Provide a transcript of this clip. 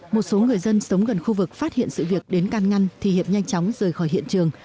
một số người dân sống gần khu vực phát hiện sự việc đến can ngăn thì hiệp nhanh chóng rời khỏi hiện trường